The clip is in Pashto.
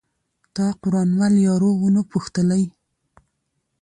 تا قران مل یارو ونه پوښتلئ